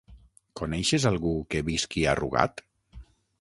Coneixes algú que visqui a Rugat?